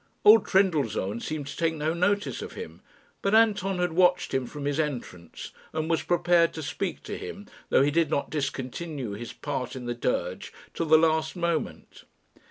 Old Trendellsohn seemed to take no notice of him, but Anton had watched him from his entrance, and was prepared to speak to him, though he did not discontinue his part in the dirge till the last moment.